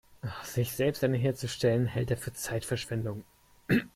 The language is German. Sich selbst an den Herd zu stellen, hält er für Zeitverschwendung.